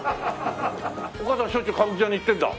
お母さんしょっちゅう歌舞伎座に行ってるんだ。